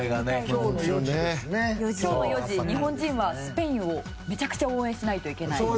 今日４時、日本人はスペインをめちゃくちゃ応援しないといけない。